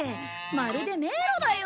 まるで迷路だよ！